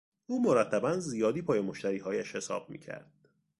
او مرتبا زیادی پای مشتریهایش حساب میکرد.